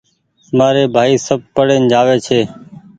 مآري ڀآئي سب پڙين جآوي ڇي